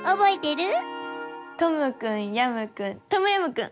トムくんヤムくんトムヤムクン！